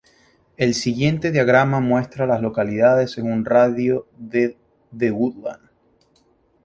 El siguiente diagrama muestra a las localidades en un radio de de Woodland.